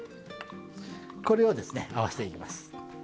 これをですね合わしていきます。